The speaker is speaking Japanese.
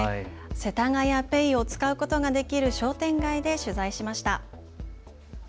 せたがやＰａｙを使うことができる商店街で取材しました。